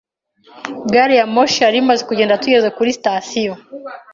Gari ya moshi yari imaze kugenda tugeze kuri sitasiyo.